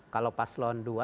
kalau paslon dua